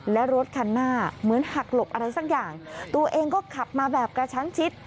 และรถคันหน้าเหมือนหักหลบอะไรสักอย่างตัวเองก็ขับมาแบบกระชั้นชิด